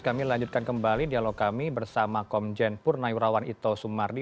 kami lanjutkan kembali dialog kami bersama komjen purna yurawan ito sumardi